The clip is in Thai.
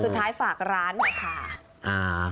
สุดท้ายฝากร้านค่ะ